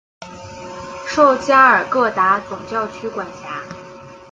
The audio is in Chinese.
受加尔各答总教区管辖。